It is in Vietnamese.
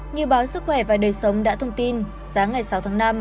như báo sức khỏe và đời sống đã thông tin sáng ngày sáu tháng năm